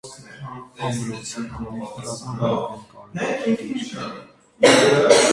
Ամրոցը ունի ռազմավարական կարևոր դիրք։